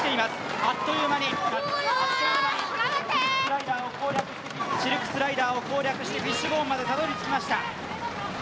あっという間に、シルクスライダーを攻略してフィッシュボーンまでたどり着きました。